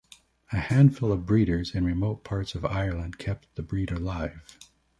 A handful of breeders in remote parts of Ireland kept the breed alive.